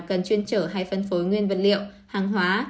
cần chuyên chở hay phân phối nguyên vật liệu hàng hóa